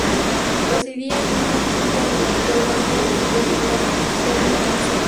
Residía en una quinta en el actual barrio montevideano de La Comercial.